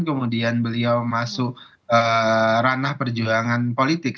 kemudian beliau masuk ranah perjuangan politik